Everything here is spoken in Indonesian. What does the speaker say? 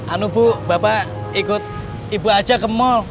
anu bu bapak ikut ibu aja ke mall